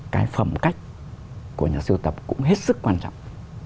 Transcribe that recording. cái phẩm cách của nhà siêu tập cũng hết sức quan trọng